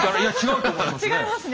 違いますね